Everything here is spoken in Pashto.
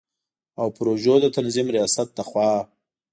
او پروژو د تنظیم ریاست له خوا